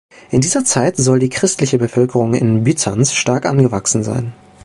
In dieser Zeit soll die christliche Bevölkerung in Byzanz stark angewachsen sein.